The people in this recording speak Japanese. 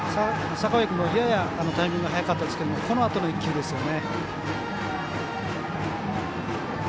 阪上君も、ややタイミング早かったですがこのあとの１球ですよね。